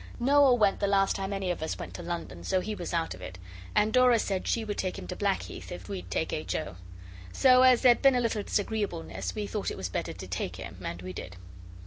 Noel went the last time any of us went to London, so he was out of it, and Dora said she would take him to Blackheath if we'd take H. O. So as there'd been a little disagreeableness we thought it was better to take him, and we did.